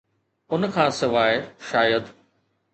ان کان سواء، شايد